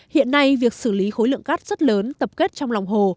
hiện nay việc xử lý khối lượng cát rất lớn tập kết trong lòng hồ